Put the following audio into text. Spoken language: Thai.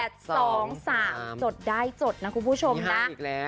จดได้จดนะคุณผู้ชมนะ